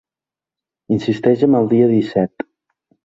Insisteix amb el dia disset.